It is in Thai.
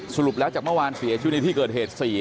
สรุปแล้วจากเมื่อวานเสียชีวิตในที่เกิดเหตุ๔